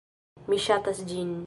Mi ŝatas ĝin